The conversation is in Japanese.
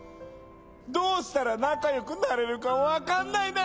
どうしたらなかよくなれるかわかんないんだよ！